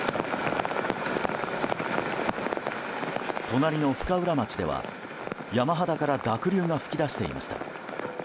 隣の深浦町では、山肌から濁流が噴き出していました。